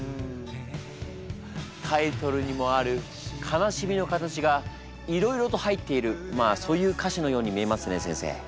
タイトルにもある悲しみの形がいろいろと入っているそういう歌詞のように見えますね先生。